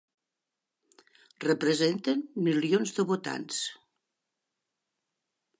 Representen milions de votants!